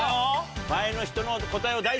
前の人の答えを大事に。